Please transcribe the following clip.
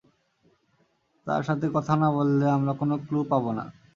তার সাথে কথা না বললে আমরা কোনও ক্লু পাবো না।